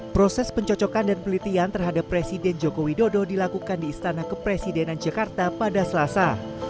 proses pencocokan dan pelitian terhadap presiden joko widodo dilakukan di istana kepresidenan jakarta pada selasa